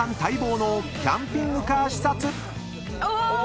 お！